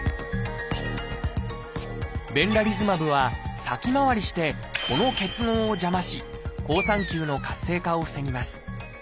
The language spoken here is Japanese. ベンラリズマブは先回りしてこの結合を邪魔し好酸球の活性化を防ぎます。